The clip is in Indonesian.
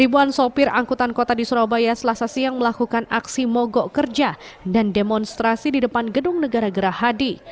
ribuan sopir angkutan kota di surabaya selasa siang melakukan aksi mogok kerja dan demonstrasi di depan gedung negara gerahadi